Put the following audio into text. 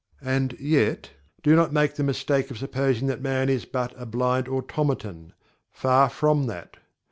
And yet, do not make the mistake of supposing that Man is but a blind automaton far from that.